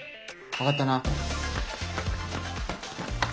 分かったな？